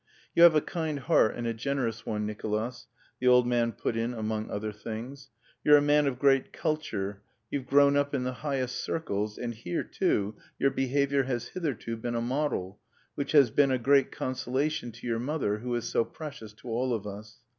"You have a kind heart and a generous one, Nicolas," the old man put in among other things, "you're a man of great culture, you've grown up in the highest circles, and here too your behaviour has hitherto been a model, which has been a great consolation to your mother, who is so precious to all of us....